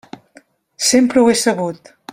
Sempre ho he sabut.